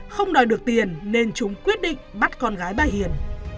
không đòi được tiền nên chúng quyết định bắt con gái bà hiền